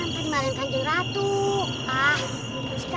cuma agak luar biasa